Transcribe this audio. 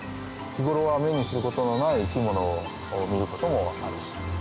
日頃は目にすることのない生き物を見ることもあるし。